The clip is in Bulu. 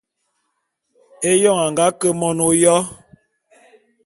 Éyoň a nga ke mon ôyo.